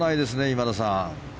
今田さん。